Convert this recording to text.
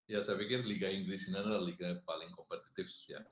ya saya pikir liga inggris ini adalah liga yang paling kompetitif ya